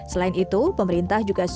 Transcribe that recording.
selain itu pemerintah juga